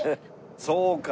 そうか。